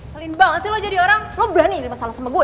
selain banget sih lu jadi orang lu berani nyerima salah sama gue